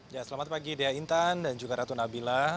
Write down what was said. ya selamat pagi dea intan dan juga ratu nabila